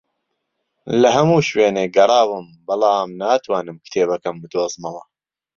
لە هەموو شوێنێک گەڕاوم، بەڵام ناتوانم کتێبەکەم بدۆزمەوە